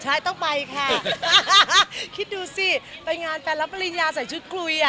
ใช่ต้องไปค่ะคิดดูสิไปงานแฟนรับปริญญาใส่ชุดคุยอ่ะ